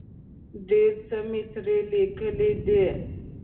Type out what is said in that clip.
ډېر څه مې ترې لیکلي دي.